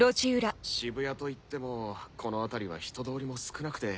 渋谷といってもこの辺りは人通りも少なくて。